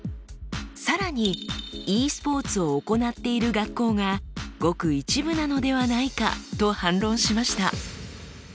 更にｅスポーツを行っている学校がごく一部なのではないかと反論しました。